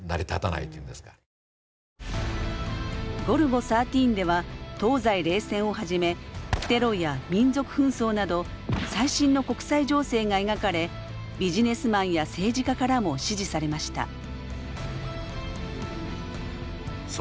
「ゴルゴ１３」では東西冷戦をはじめテロや民族紛争など最新の国際情勢が描かれビジネスマンや政治家からも支持されました。